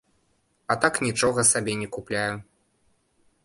А так нічога сабе не купляю.